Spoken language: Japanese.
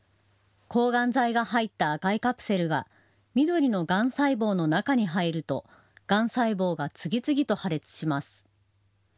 抗がん剤が入った赤いカプセルが緑のがん細胞の中に入るとがん細胞が次々と破裂します。